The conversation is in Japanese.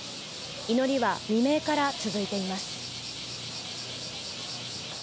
祈りは未明から続いています。